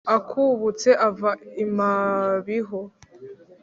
Akubutse ava i Mabiho